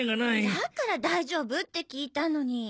だから「大丈夫？」って聞いたのに。